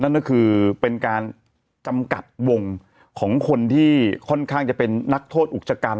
นั่นก็คือเป็นการจำกัดวงของคนที่ค่อนข้างจะเป็นนักโทษอุกชกัน